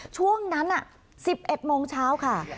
ช่วงนั้น๑๑โมงเช้าค่ะ